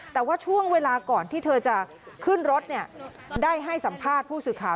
แต่ว่าช่วงเวลาก่อนที่เธอจะขึ้นรถได้ให้สัมภาษณ์ผู้สื่อข่าว